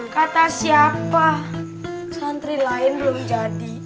kata siapa santri lain belum jadi